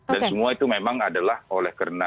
dan semua itu memang adalah oleh karena